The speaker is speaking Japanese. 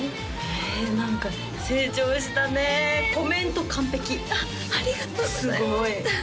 ええ何か成長したねコメント完璧あっありがとうございます